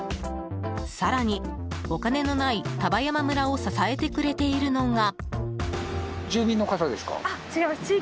更に、お金のない丹波山村を支えてくれているのが。